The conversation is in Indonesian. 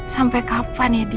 sampai kapan ya d